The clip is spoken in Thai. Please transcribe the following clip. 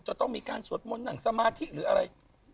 จะต้องมีการสวดมนต์นั่งสมาธิหรืออะไร